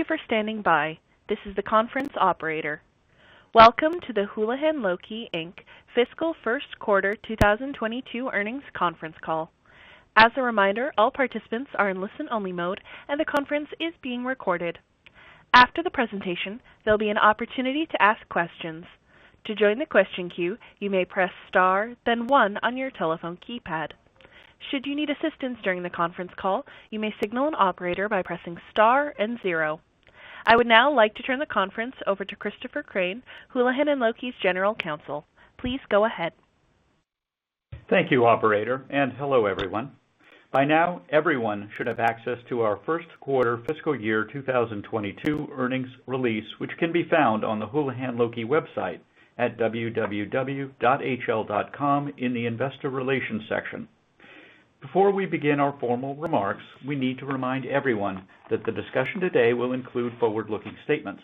Thank you for standing by. This is the conference operator. Welcome to the Houlihan Lokey, Inc. fiscal first quarter 2022 earnings conference call. As a reminder, all participants are in listen-only mode, and the conference is being recorded. After the presentation, there'll be an opportunity to ask questions. To join the question queue, you may press star then one on your telephone keypad. Should you need assistance during the conference call, you may signal an operator by pressing star and 0. I would now like to turn the conference over to Christopher Crain, Houlihan Lokey's General Counsel. Please go ahead. Thank you, operator, and hello, everyone. By now, everyone should have access to our first quarter fiscal year 2022 earnings release, which can be found on the Houlihan Lokey website at www.hl.com in the investor relations section. Before we begin our formal remarks, we need to remind everyone that the discussion today will include forward-looking statements.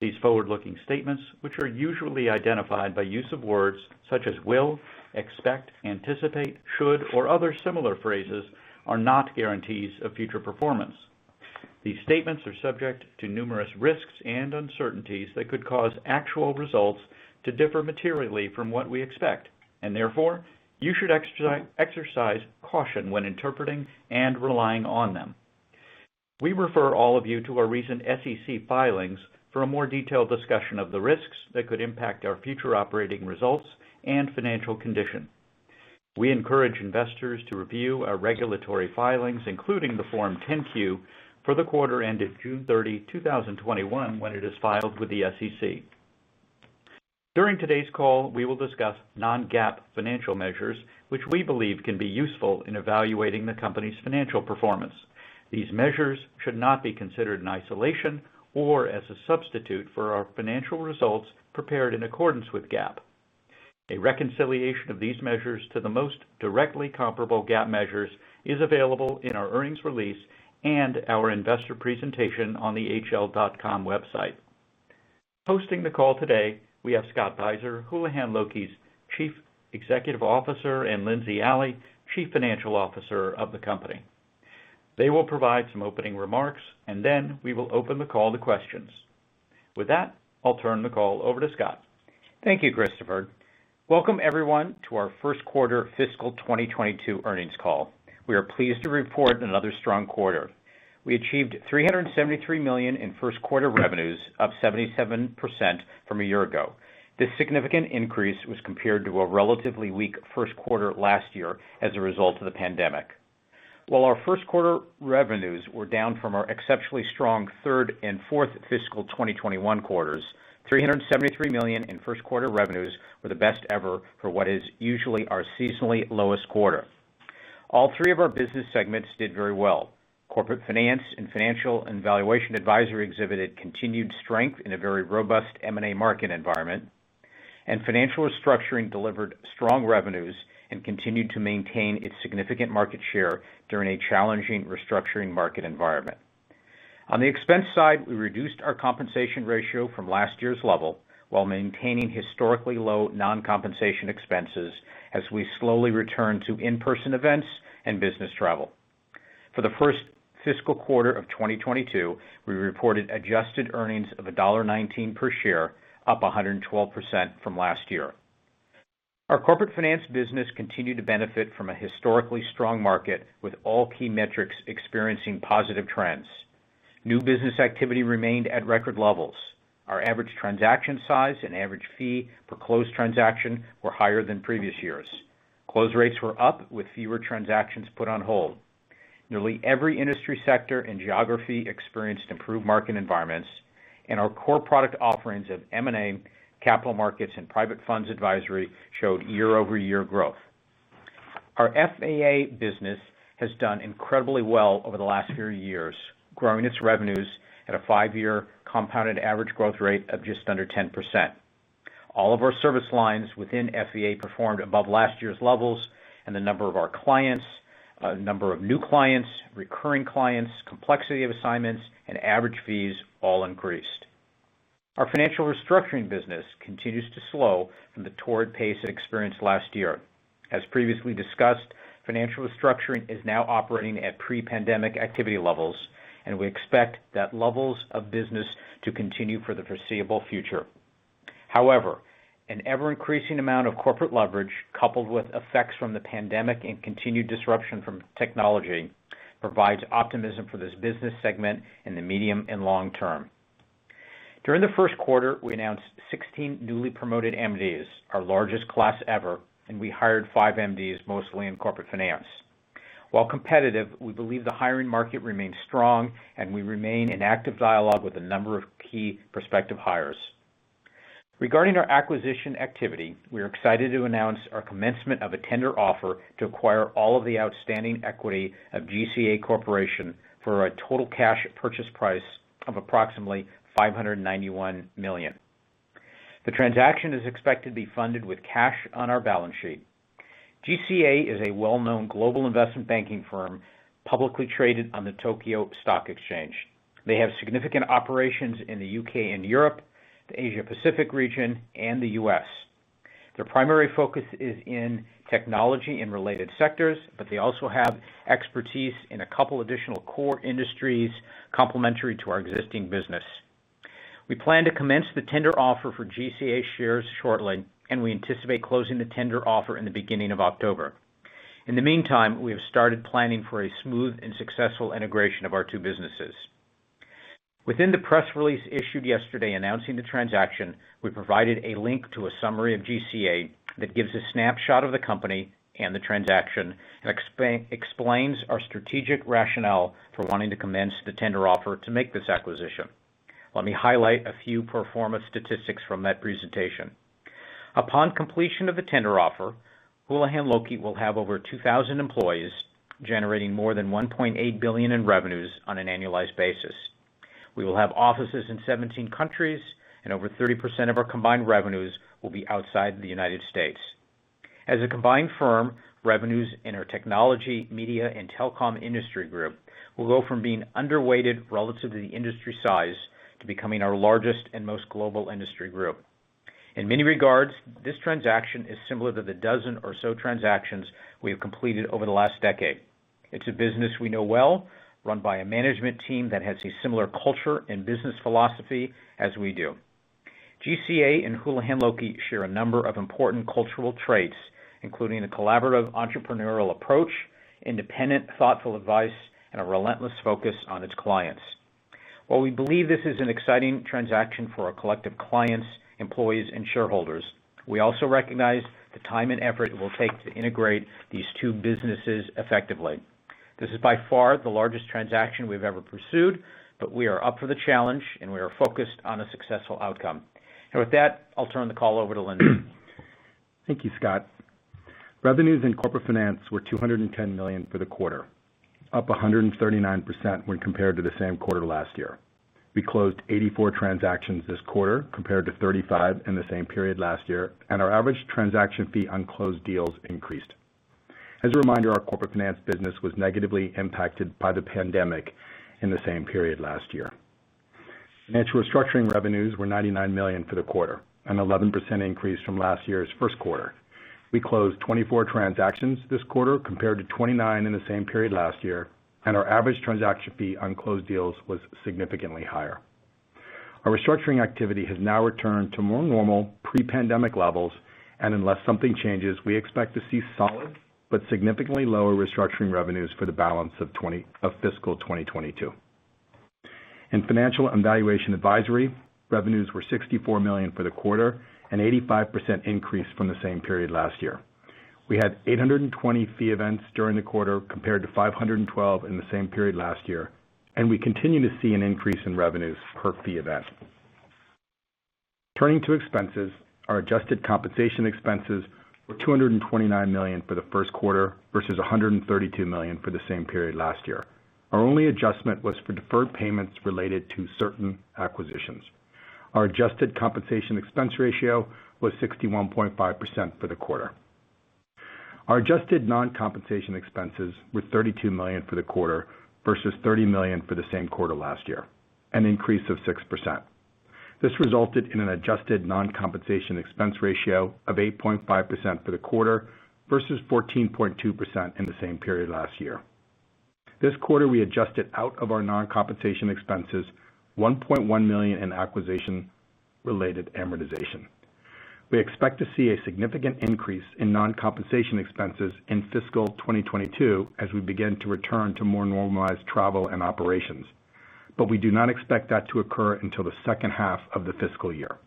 These forward-looking statements, which are usually identified by use of words such as will, expect, anticipate, should, or other similar phrases, are not guarantees of future performance. These statements are subject to numerous risks and uncertainties that could cause actual results to differ materially from what we expect, and therefore, you should exercise caution when interpreting and relying on them. We refer all of you to our recent SEC filings for a more detailed discussion of the risks that could impact our future operating results and financial condition. We encourage investors to review our regulatory filings, including the Form 10-Q for the quarter ended June 30, 2021, when it is filed with the SEC. During today's call, we will discuss non-GAAP financial measures, which we believe can be useful in evaluating the company's financial performance. These measures should not be considered in isolation or as a substitute for our financial results prepared in accordance with GAAP. A reconciliation of these measures to the most directly comparable GAAP measures is available in our earnings release and our investor presentation on the hl.com website. Hosting the call today, we have Scott Beiser, Houlihan Lokey's Chief Executive Officer, and Lindsey Alley, Chief Financial Officer of the company. They will provide some opening remarks, and then we will open the call to questions. With that, I'll turn the call over to Scott. Thank you, Christopher. Welcome everyone to our first quarter fiscal 2022 earnings call. We are pleased to report another strong quarter. We achieved $373 million in first quarter revenues, up 77% from a year ago. This significant increase was compared to a relatively weak first quarter last year as a result of the pandemic. While our first quarter revenues were down from our exceptionally strong third and fourth fiscal 2021 quarters, $373 million in first quarter revenues were the best ever for what is usually our seasonally lowest quarter. All three of our business segments did very well. Corporate Finance and Financial and Valuation Advisory exhibited continued strength in a very robust M&A market environment, and Financial Restructuring delivered strong revenues and continued to maintain its significant market share during a challenging restructuring market environment. On the expense side, we reduced our compensation ratio from last year's level while maintaining historically low non-compensation expenses as we slowly return to in-person events and business travel. For the first fiscal quarter of 2022, we reported adjusted earnings of $1.19 per share, up 112% from last year. Our Corporate Finance business continued to benefit from a historically strong market, with all key metrics experiencing positive trends. New business activity remained at record levels. Our average transaction size and average fee per closed transaction were higher than previous years. Close rates were up with fewer transactions put on hold. Nearly every industry sector and geography experienced improved market environments, and our core product offerings of M&A, capital markets, and private funds advisory showed year-over-year growth. Our FVA business has done incredibly well over the last few years, growing its revenues at a five-year compounded average growth rate of just under 10%. All of our service lines within FVA performed above last year's levels, and the number of our clients, number of new clients, recurring clients, complexity of assignments, and average fees all increased. Our Financial Restructuring business continues to slow from the torrid pace it experienced last year. As previously discussed, Financial Restructuring is now operating at pre-pandemic activity levels, and we expect that levels of business to continue for the foreseeable future. However, an ever-increasing amount of corporate leverage, coupled with effects from the pandemic and continued disruption from technology, provides optimism for this business segment in the medium and long term. During the first quarter, we announced 16 newly promoted MDs, our largest class ever, and we hired five MDs, mostly in Corporate Finance. While competitive, we believe the hiring market remains strong, and we remain in active dialogue with a number of key prospective hires. Regarding our acquisition activity, we are excited to announce our commencement of a tender offer to acquire all of the outstanding equity of GCA Corporation for a total cash purchase price of approximately $591 million. The transaction is expected to be funded with cash on our balance sheet. GCA is a well-known global investment banking firm publicly traded on the Tokyo Stock Exchange. They have significant operations in the U.K. and Europe, the Asia Pacific region, and the U.S. Their primary focus is in technology and related sectors, but they also have expertise in a couple additional core industries complementary to our existing business. We plan to commence the tender offer for GCA shares shortly, and we anticipate closing the tender offer in the beginning of October. In the meantime, we have started planning for a smooth and successful integration of our two businesses. Within the press release issued yesterday announcing the transaction, we provided a link to a summary of GCA that gives a snapshot of the company and the transaction and explains our strategic rationale for wanting to commence the tender offer to make this acquisition. Let me highlight a few pro forma statistics from that presentation. Upon completion of the tender offer, Houlihan Lokey will have over 2,000 employees generating more than $1.8 billion in revenues on an annualized basis. We will have offices in 17 countries, and over 30% of our combined revenues will be outside the U.S. As a combined firm, revenues in our Technology, Media, and Telecom industry group will go from being underweighted relative to the industry size to becoming our largest and most global industry group. In many regards, this transaction is similar to the dozen or so transactions we have completed over the last decade. It's a business we know well, run by a management team that has a similar culture and business philosophy as we do. GCA and Houlihan Lokey share a number of important cultural traits, including a collaborative entrepreneurial approach, independent, thoughtful advice, and a relentless focus on its clients. While we believe this is an exciting transaction for our collective clients, employees, and shareholders, we also recognize the time and effort it will take to integrate these two businesses effectively. This is by far the largest transaction we've ever pursued, but we are up for the challenge and we are focused on a successful outcome. With that, I'll turn the call over to Lindsey. Thank you, Scott. Revenues in Corporate Finance were $210 million for the quarter, up 139% when compared to the same quarter last year. We closed 84 transactions this quarter, compared to 35 in the same period last year, and our average transaction fee on closed deals increased. As a reminder, our Corporate Finance business was negatively impacted by the pandemic in the same period last year. Financial Restructuring revenues were $99 million for the quarter, an 11% increase from last year's first quarter. We closed 24 transactions this quarter compared to 29 in the same period last year, and our average transaction fee on closed deals was significantly higher. Our restructuring activity has now returned to more normal pre-pandemic levels, and unless something changes, we expect to see solid but significantly lower restructuring revenues for the balance of fiscal 2022. In Financial and Valuation Advisory, revenues were $64 million for the quarter, an 85% increase from the same period last year. We had 820 fee events during the quarter compared to 512 in the same period last year, and we continue to see an increase in revenues per fee event. Turning to expenses, our adjusted compensation expenses were $229 million for the first quarter versus $132 million for the same period last year. Our only adjustment was for deferred payments related to certain acquisitions. Our adjusted compensation expense ratio was 61.5% for the quarter. Our adjusted non-compensation expenses were $32 million for the quarter versus $30 million for the same quarter last year, an increase of 6%. This resulted in an adjusted non-compensation expense ratio of 8.5% for the quarter versus 14.2% in the same period last year. This quarter, we adjusted out of our non-compensation expenses $1.1 million in acquisition-related amortization. We expect to see a significant increase in non-compensation expenses in fiscal 2022 as we begin to return to more normalized travel and operations, but we do not expect that to occur until the second half of the fiscal year.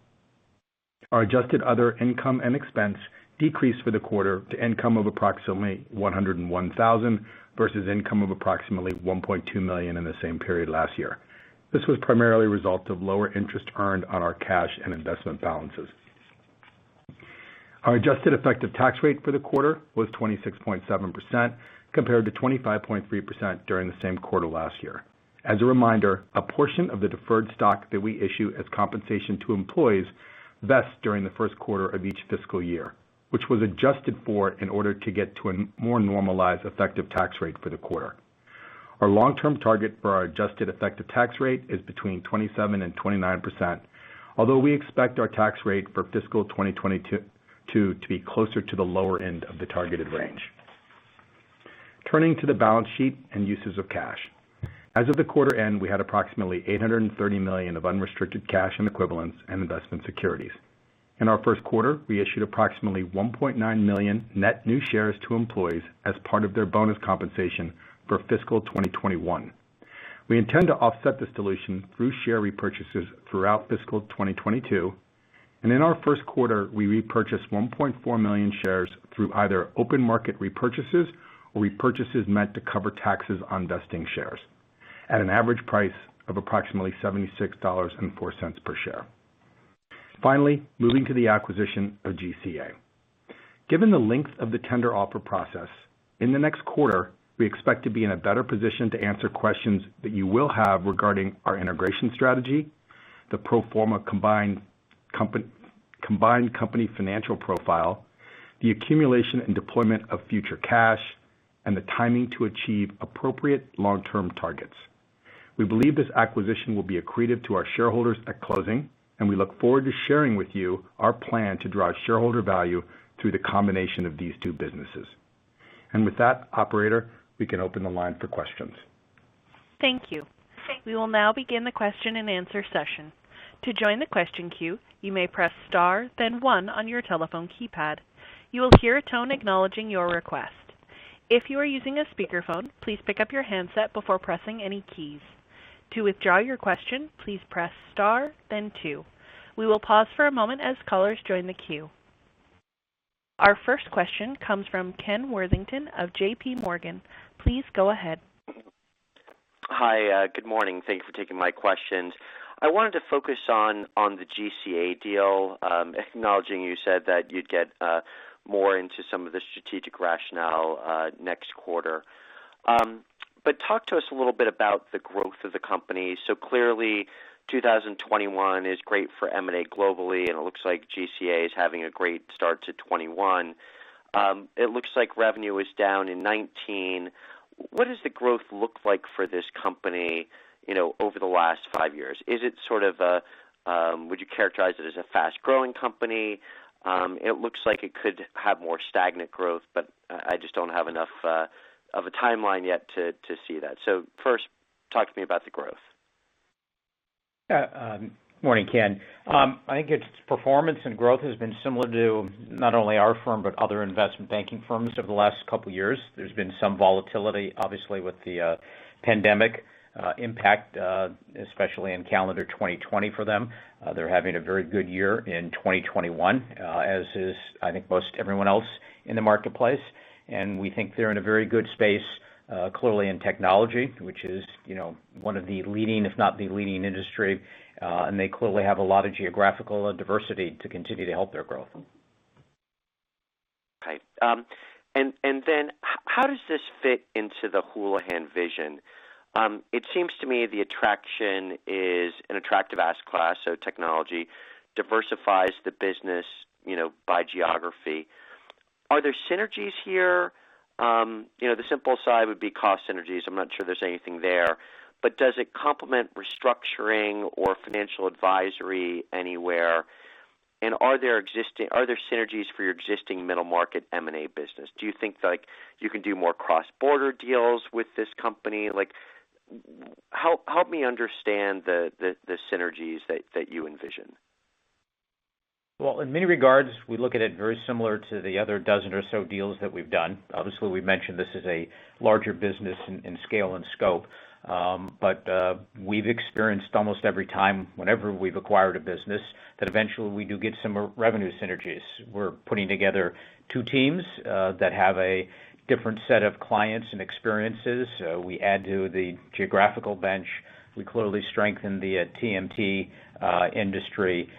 Our adjusted other income and expense decreased for the quarter to income of approximately $101,000 versus income of approximately $1.2 million in the same period last year. This was primarily a result of lower interest earned on our cash and investment balances. Our adjusted effective tax rate for the quarter was 26.7%, compared to 25.3% during the same quarter last year. As a reminder, a portion of the deferred stock that we issue as compensation to employees vests during the first quarter of each fiscal year, which was adjusted for in order to get to a more normalized effective tax rate for the quarter. Our long-term target for our adjusted effective tax rate is between 27% and 29%, although we expect our tax rate for fiscal 2022 to be closer to the lower end of the targeted range. Turning to the balance sheet and uses of cash. As of the quarter end, we had approximately $830 million of unrestricted cash and equivalents and investment securities. In our first quarter, we issued approximately $1.9 million net new shares to employees as part of their bonus compensation for fiscal 2021. We intend to offset this dilution through share repurchases throughout fiscal 2022. In our first quarter, we repurchased 1.4 million shares through either open market repurchases or repurchases meant to cover taxes on vesting shares at an average price of approximately $76.04 per share. Finally, moving to the acquisition of GCA. Given the length of the tender offer process, in the next quarter, we expect to be in a better position to answer questions that you will have regarding our integration strategy, the pro forma combined company financial profile, the accumulation and deployment of future cash, and the timing to achieve appropriate long-term targets. We believe this acquisition will be accretive to our shareholders at closing. We look forward to sharing with you our plan to drive shareholder value through the combination of these two businesses. With that, operator, we can open the line for questions. Thank you. We will now begin the question and answer session. To join the question queue, you may press star then one on your telephone keypad. You will hear a tone acknowledging your request. If you are using a speaker phone, please pick up your hands up before pressing any keys. To withdraw your questions, please press star then two. We will pause for a moment as callers as join the queue. Our first question comes from Ken Worthington of J.P. Morgan. Please go ahead. Hi, good morning. Thank you for taking my questions. I wanted to focus on the GCA deal, acknowledging you said that you'd get more into some of the strategic rationale next quarter. Talk to us a little bit about the growth of the company. Clearly, 2021 is great for M&A globally, and it looks like GCA is having a great start to 2021. It looks like revenue is down in 2019. What does the growth look like for this company over the last five years? Would you characterize it as a fast-growing company? It looks like it could have more stagnant growth, but I just don't have enough of a timeline yet to see that. First, talk to me about the growth. Morning, Ken. I think its performance and growth has been similar to not only our firm but other investment banking firms over the last couple of years. There's been some volatility, obviously, with the pandemic impact, especially in calendar 2020 for them. They're having a very good year in 2021, as is, I think, most everyone else in the marketplace. We think they're in a very good space, clearly in technology, which is one of the leading, if not the leading industry. They clearly have a lot of geographical diversity to continue to help their growth. Okay. How does this fit into the Houlihan vision? It seems to me the attraction is an attractive asset class, so technology diversifies the business by geography. Are there synergies here? The simple side would be cost synergies. I'm not sure there's anything there. Does it complement Restructuring or Financial Advisory anywhere? Are there synergies for your existing middle-market M&A business? Do you think you can do more cross-border deals with this company? Help me understand the synergies that you envision. Well, in many regards, we look at it very similar to the other dozen or so deals that we've done. Obviously, we mentioned this is a larger business in scale and scope. We've experienced almost every time whenever we've acquired a business that eventually we do get some revenue synergies. We're putting together two teams that have a different set of clients and experiences. We add to the geographical bench. We clearly strengthen the TMT industry.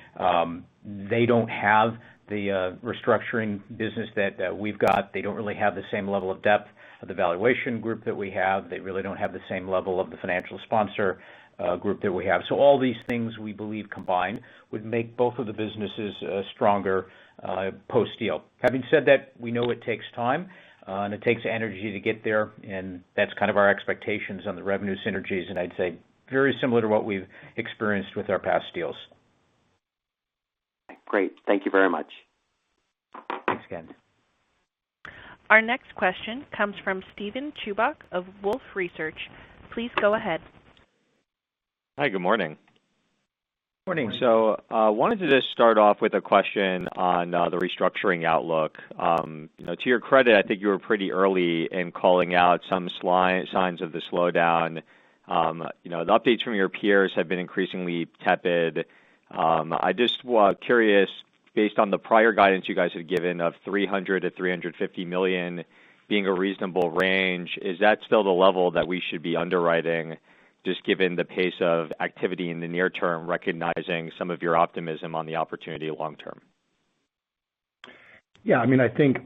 They don't have the restructuring business that we've got. They don't really have the same level of depth of the valuation group that we have. They really don't have the same level of the financial sponsor group that we have. All these things we believe combined would make both of the businesses stronger post-deal. Having said that, we know it takes time and it takes energy to get there, and that's kind of our expectations on the revenue synergies, and I'd say very similar to what we've experienced with our past deals. Great. Thank you very much. Thanks, Ken. Our next question comes from Steven Chubak of Wolfe Research. Please go ahead. Hi, good morning. Morning. Wanted to just start off with a question on the restructuring outlook. To your credit, I think you were pretty early in calling out some signs of the slowdown. The updates from your peers have been increasingly tepid. I just was curious, based on the prior guidance you guys had given of $300 million and $350 million being a reasonable range, is that still the level that we should be underwriting, just given the pace of activity in the near term, recognizing some of your optimism on the opportunity long term? Yeah, I think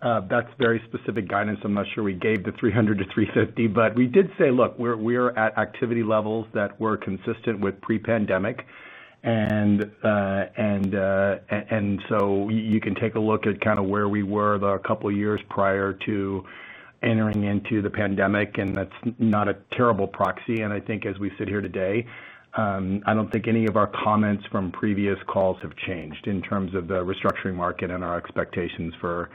that's very specific guidance. I'm not sure we gave the $300-350 million, but we did say, look, we're at activity levels that were consistent with pre-pandemic. You can take a look at where we were the couple of years prior to entering into the pandemic, and that's not a terrible proxy. I think as we sit here today, I don't think any of our comments from previous calls have changed in terms of the restructuring market and our expectations for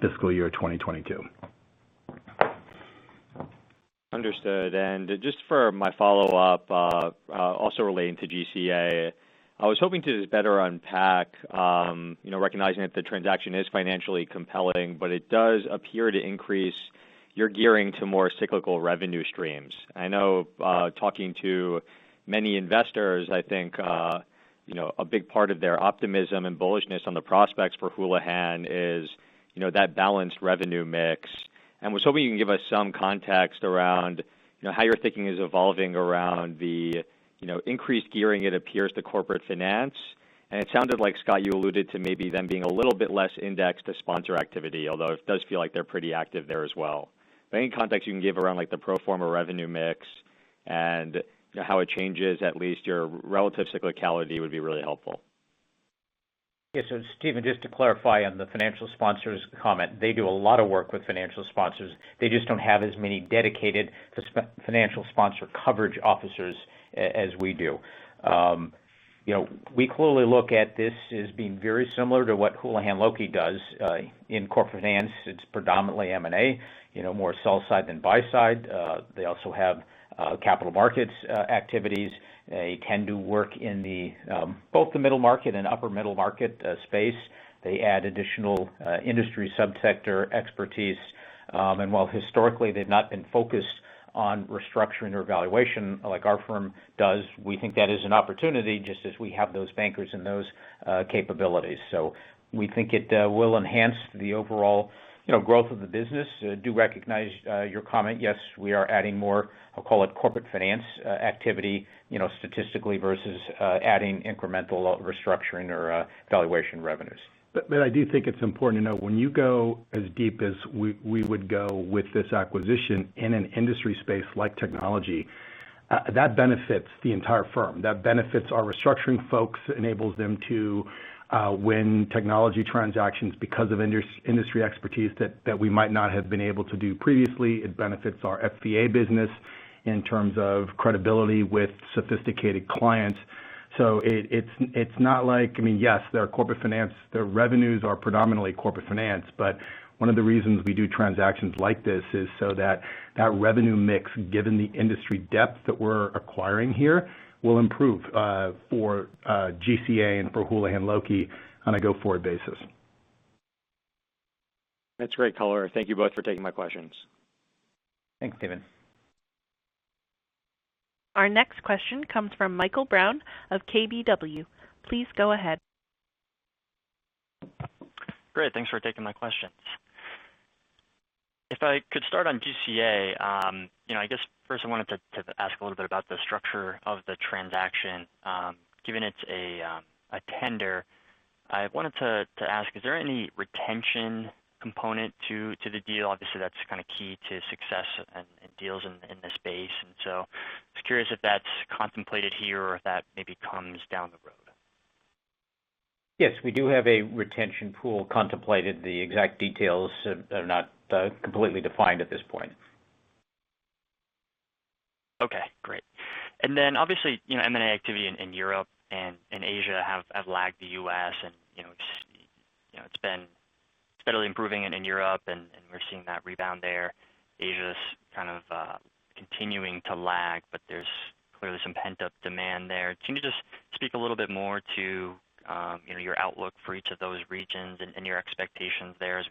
fiscal year 2022. Understood. Just for my follow-up, also relating to GCA, I was hoping to better unpack, recognizing that the transaction is financially compelling, but it does appear to increase your gearing to more cyclical revenue streams. I know, talking to many investors, I think a big part of their optimism and bullishness on the prospects for Houlihan is that balanced revenue mix. Was hoping you can give us some context around how your thinking is evolving around the increased gearing, it appears, to Corporate Finance. It sounded like, Scott, you alluded to maybe them being a little bit less indexed to sponsor activity, although it does feel like they're pretty active there as well. Any context you can give around the pro forma revenue mix and how it changes, at least your relative cyclicality, would be really helpful. Yes. Steven, just to clarify on the financial sponsors comment, they do a lot of work with financial sponsors. They just don't have as many dedicated financial sponsor coverage officers as we do. We clearly look at this as being very similar to what Houlihan Lokey does in Corporate Finance. It's predominantly M&A, more sell side than buy side. They also have capital markets activities. They tend to work in both the middle market and upper middle market space. They add additional industry sub-sector expertise. While historically they've not been focused on restructuring or valuation like our firm does, we think that is an opportunity, just as we have those bankers and those capabilities. We think it will enhance the overall growth of the business. Do recognize your comment. Yes, we are adding more, I'll call it Corporate Finance activity, statistically versus adding incremental restructuring or valuation revenues. I do think it's important to note, when you go as deep as we would go with this acquisition in an industry space like technology, that benefits the entire firm. That benefits our restructuring folks, enables them to win technology transactions because of industry expertise that we might not have been able to do previously. It benefits our FVA business in terms of credibility with sophisticated clients. It's not like yes, their revenues are predominantly Corporate Finance, but one of the reasons we do transactions like this is so that revenue mix, given the industry depth that we're acquiring here, will improve for GCA and for Houlihan Lokey on a go-forward basis. That's great color. Thank you both for taking my questions. Thanks, Steven. Our next question comes from Michael Brown of KBW. Please go ahead. Great. Thanks for taking my questions. If I could start on GCA. I guess first I wanted to ask a little bit about the structure of the transaction given it's a tender. I wanted to ask, is there any retention component to the deal? Obviously, that's kind of key to success in deals in this space, and so just curious if that's contemplated here or if that maybe comes down the road. Yes, we do have a retention pool contemplated. The exact details are not completely defined at this point. Okay, great. Obviously, M&A activity in Europe and in Asia have lagged the U.S. and it's been steadily improving in Europe and we're seeing that rebound there. Asia's kind of continuing to lag, but there's clearly some pent-up demand there. Can you just speak a little bit more to your outlook for each of those regions and your expectations there as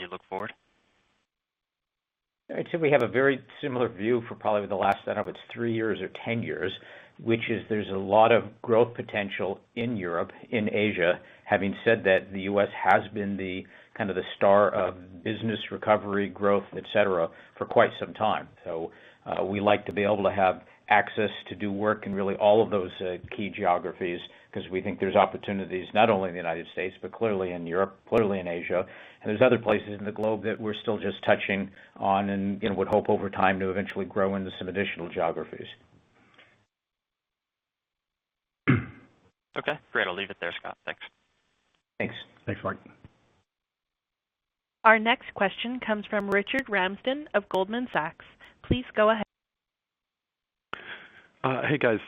you look forward? I'd say we have a very similar view for probably the last, I don't know if it's three years or 10 years, which is there's a lot of growth potential in Europe, in Asia. Having said that, the U.S. has been the star of business recovery growth, et cetera, for quite some time. We like to be able to have access to do work in really all of those key geographies because we think there's opportunities not only in the United States, but clearly in Europe, clearly in Asia. There's other places in the globe that we're still just touching on and would hope over time to eventually grow into some additional geographies. Okay, great. I'll leave it there, Scott. Thanks. Thanks. Thanks, Mike. Our next question comes from Richard Ramsden of Goldman Sachs. Please go ahead. Hey, guys.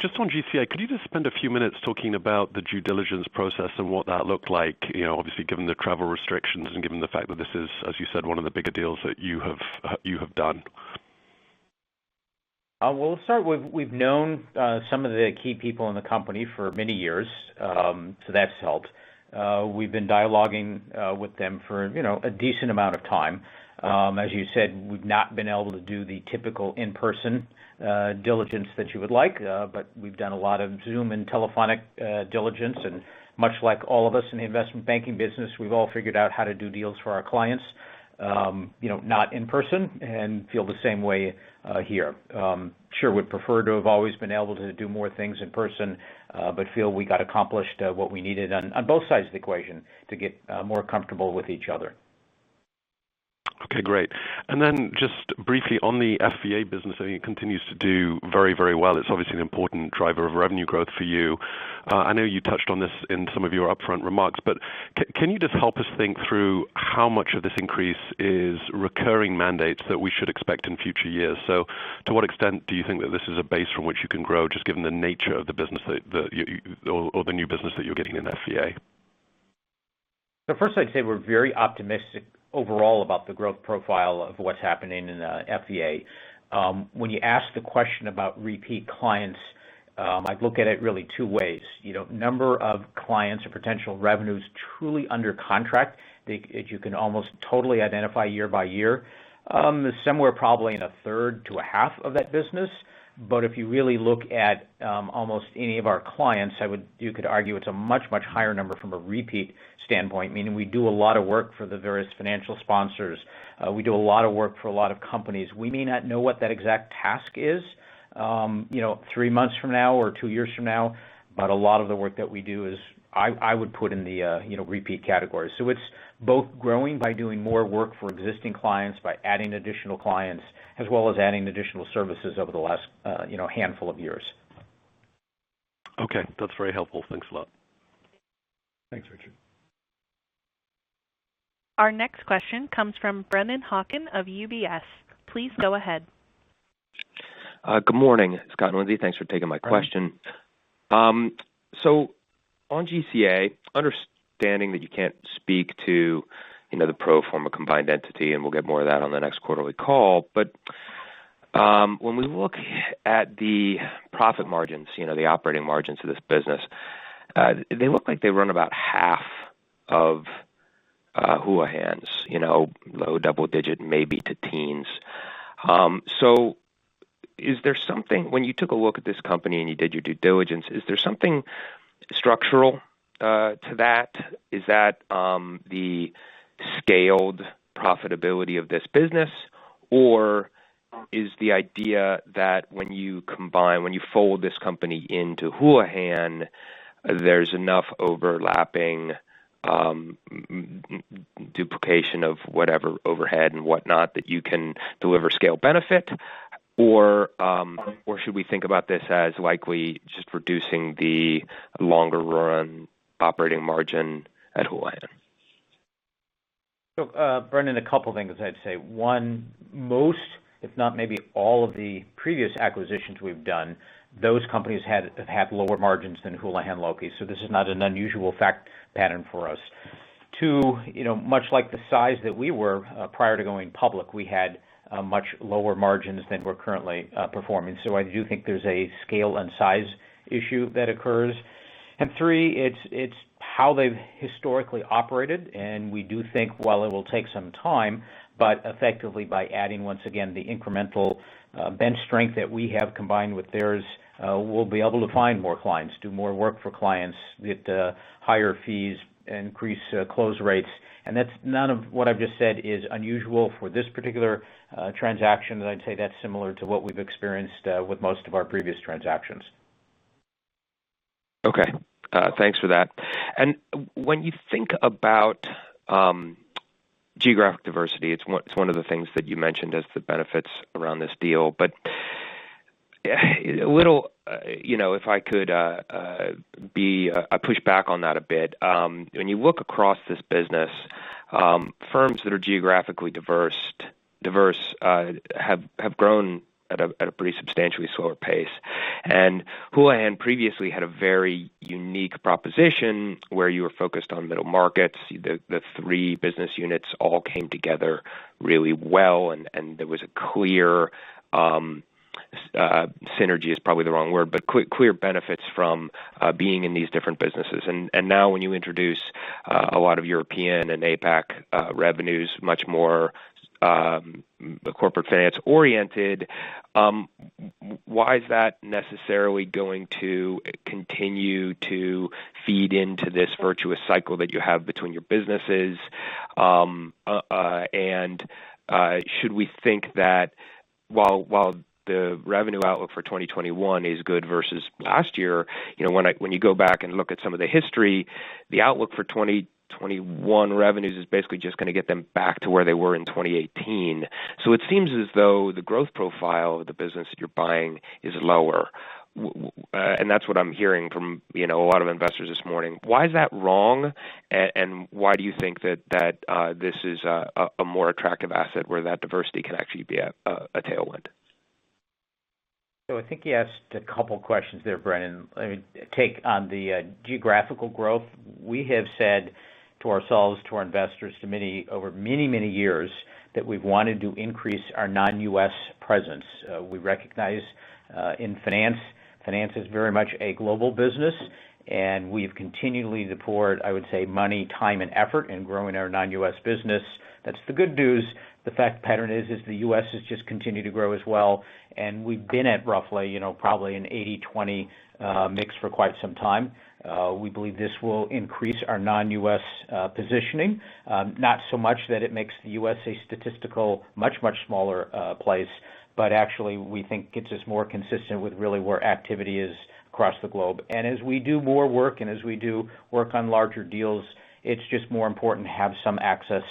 Just on GCA, could you just spend a few minutes talking about the due diligence process and what that looked like? Obviously, given the travel restrictions and given the fact that this is, as you said, one of the bigger deals that you have done. We've known some of the key people in the company for many years, so that's helped. We've been dialoguing with them for a decent amount of time. As you said, we've not been able to do the typical in-person diligence that you would like. We've done a lot of Zoom and telephonic diligence, and much like all of us in the investment banking business, we've all figured out how to do deals for our clients not in person and feel the same way here. We sure would prefer to have always been able to do more things in person, but feel we got accomplished what we needed on both sides of the equation to get more comfortable with each other. Okay, great. Then just briefly on the FVA business, it continues to do very well. It's obviously an important driver of revenue growth for you. I know you touched on this in some of your upfront remarks, but can you just help us think through how much of this increase is recurring mandates that we should expect in future years? To what extent do you think that this is a base from which you can grow, just given the nature of the business that you or the new business that you're getting in FVA? First, I'd say we're very optimistic overall about the growth profile of what's happening in FVA. When you ask the question about repeat clients, I'd look at it really two ways. Number of clients or potential revenues truly under contract that you can almost totally identify year by year, is somewhere probably in 1/3 to 1/2 of that business. If you really look at almost any of our clients, you could argue it's a much, much higher number from a repeat standpoint, meaning we do a lot of work for the various financial sponsors. We do a lot of work for a lot of companies. We may not know what that exact task is three months from now or two years from now, but a lot of the work that we do is I would put in the repeat category. It's both growing by doing more work for existing clients, by adding additional clients, as well as adding additional services over the last handful of years. Okay. That's very helpful. Thanks a lot. Thanks, Richard. Our next question comes from Brennan Hawken of UBS. Please go ahead. Good morning, Scott and Lindsey. Thanks for taking my question. Hi. On GCA, understanding that you can't speak to the pro forma combined entity, and we'll get more of that on the next quarterly call. When we look at the profit margins, the operating margins of this business, they look like they run about half of Houlihan's, low double-digit, maybe to teens. When you took a look at this company and you did your due diligence, is there something structural to that? Is that the scaled profitability of this business, or is the idea that when you fold this company into Houlihan, there's enough overlapping duplication of whatever overhead and whatnot that you can deliver scale benefit? Should we think about this as likely just reducing the longer run operating margin at Houlihan? Brennan, a couple things I'd say. One, most, if not maybe all of the previous acquisitions we've done, those companies have had lower margins than Houlihan Lokey. This is not an unusual fact pattern for us. Two, much like the size that we were prior to going public, we had much lower margins than we're currently performing. I do think there's a scale and size issue that occurs. Three, it's how they've historically operated, and we do think while it will take some time, but effectively by adding, once again, the incremental bench strength that we have combined with theirs, we'll be able to find more clients, do more work for clients, get higher fees, increase close rates. None of what I've just said is unusual for this particular transaction. I'd say that's similar to what we've experienced with most of our previous transactions. Okay. Thanks for that. When you think about geographic diversity, it's one of the things that you mentioned as the benefits around this deal. If I could push back on that a bit. When you look across this business, firms that are geographically diverse have grown at a pretty substantially slower pace. Houlihan previously had a very unique proposition where you were focused on middle markets. The three business units all came together really well, and there was a clear, synergy is probably the wrong word, but clear benefits from being in these different businesses. Now when you introduce a lot of European and APAC revenues, much more Corporate Finance-oriented, why is that necessarily going to continue to feed into this virtuous cycle that you have between your businesses? Should we think that while the revenue outlook for 2021 is good versus last year, when you go back and look at some of the history, the outlook for 2021 revenues is basically just going to get them back to where they were in 2018. It seems as though the growth profile of the business that you're buying is lower. That's what I'm hearing from a lot of investors this morning. Why is that wrong? Why do you think that this is a more attractive asset where that diversity can actually be a tailwind? I think you asked a couple questions there, Brennan. Let me take on the geographical growth. We have said to ourselves, to our investors, over many years, that we've wanted to increase our non-U.S. presence. We recognize in finance is very much a global business, and we've continually deployed, I would say, money, time, and effort in growing our non-U.S. business. That's the good news. The fact pattern is the U.S. has just continued to grow as well, and we've been at roughly probably an 80/20 mix for quite some time. We believe this will increase our non-U.S. positioning. Not so much that it makes the U.S. a statistical much smaller place, but actually we think gets us more consistent with really where activity is across the globe. As we do more work and as we do work on larger deals, it's just more important to have some access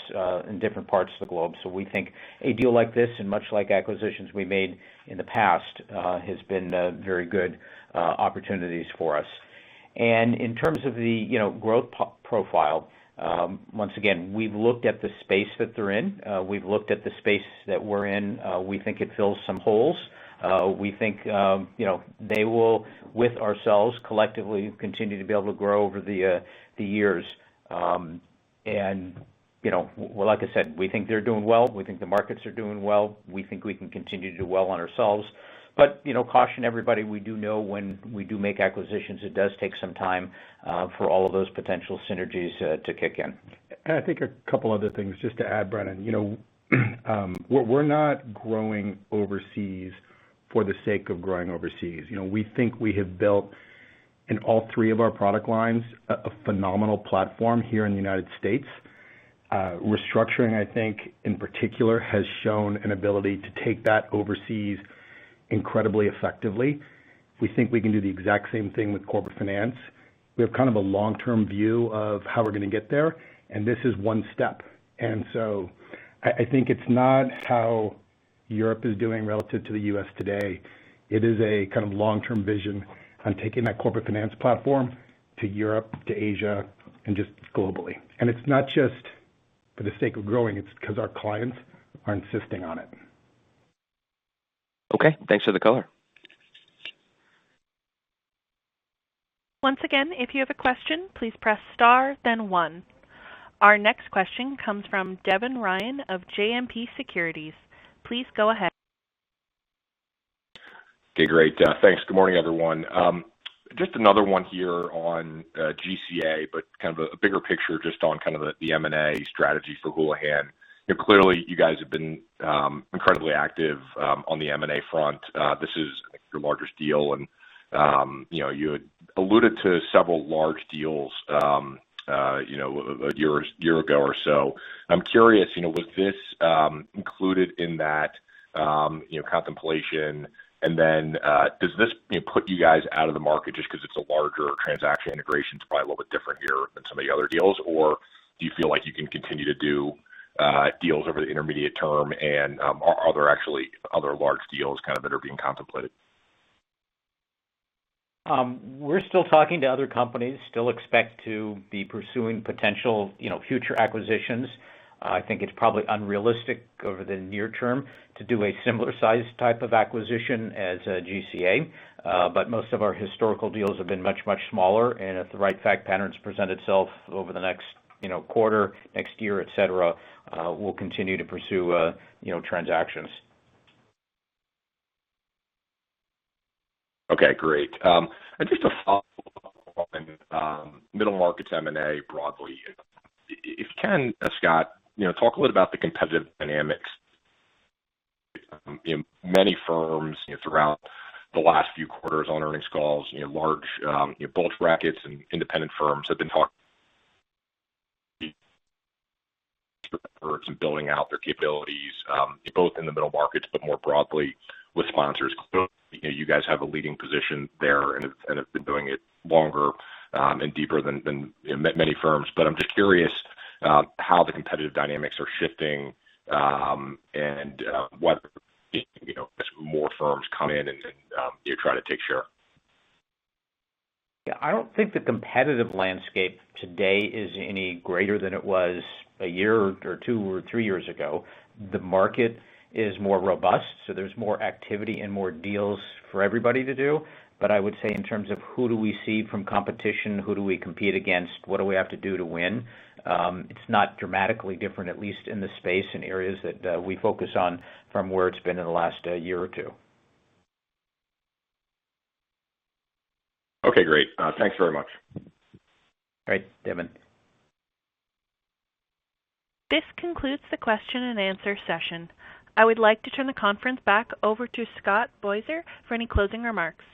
in different parts of the globe. We think a deal like this, and much like acquisitions we made in the past, has been very good opportunities for us. In terms of the growth profile, once again, we've looked at the space that they're in. We've looked at the space that we're in. We think it fills some holes. We think they will, with ourselves collectively, continue to be able to grow over the years. Like I said, we think they're doing well. We think the markets are doing well. We think we can continue to do well on ourselves. Caution, everybody, we do know when we do make acquisitions, it does take some time for all of those potential synergies to kick in. I think a couple other things just to add, Brennan. We're not growing overseas for the sake of growing overseas. We think we have built in all three of our product lines, a phenomenal platform here in the United States. Restructuring, I think in particular, has shown an ability to take that overseas incredibly effectively. We think we can do the exact same thing with Corporate Finance. We have kind of a long-term view of how we're going to get there, and this is one step. I think it's not how Europe is doing relative to the U.S. today. It is a kind of long-term vision on taking that Corporate Finance platform to Europe, to Asia, and just globally. It's not just for the sake of growing, it's because our clients are insisting on it. Okay. Thanks for the color. Once again, if you have a question, please press star then one. Our next question comes from Devin Ryan of JMP Securities. Please go ahead. Okay, great. Thanks. Good morning, everyone. Just another one here on GCA, but kind of a bigger picture just on kind of the M&A strategy for Houlihan. Clearly you guys have been incredibly active on the M&A front. This is your largest deal and you had alluded to several large deals a year ago or so. I'm curious, was this included in that contemplation? Does this put you guys out of the market just because it's a larger transaction, integration's probably a little bit different here than some of the other deals, or do you feel like you can continue to do deals over the intermediate term and are there actually other large deals kind of that are being contemplated? We're still talking to other companies. Still expect to be pursuing potential future acquisitions. I think it's probably unrealistic over the near term to do a similar size type of acquisition as GCA. Most of our historical deals have been much, much smaller, and if the right fact patterns present itself over the next quarter, next year, et cetera, we'll continue to pursue transactions. Okay, great. Just a follow-up on middle markets M&A broadly. If you can, Scott, talk a little about the competitive dynamics. Many firms throughout the last few quarters on earnings calls, large bulge brackets and independent firms have been talk efforts in building out their capabilities, both in the middle markets but more broadly with sponsors. You guys have a leading position there and have been doing it longer and deeper than many firms. I'm just curious how the competitive dynamics are shifting and as more firms come in and try to take share. I don't think the competitive landscape today is any greater than it was a year or two or three years ago. The market is more robust, so there's more activity and more deals for everybody to do. But I would say in terms of who do we see from competition, who do we compete against, what do we have to do to win, it's not dramatically different, at least in the space and areas that we focus on from where it's been in the last year or two. Okay, great. Thanks very much. All right, Devin. This concludes the question and answer session. I would like to turn the conference back over to Scott Beiser for any closing remarks.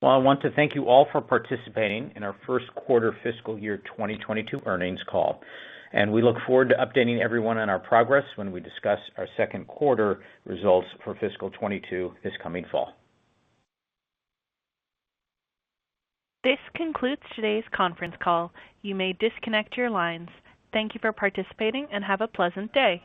Well, I want to thank you all for participating in our first quarter fiscal year 2022 earnings call. We look forward to updating everyone on our progress when we discuss our second quarter results for fiscal year 2022 this coming fall. This concludes today's conference call. You may disconnect your lines. Thank you for participating and have a pleasant day.